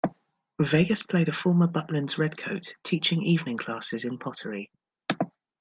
Vegas played a former Butlin's redcoat teaching evening classes in pottery.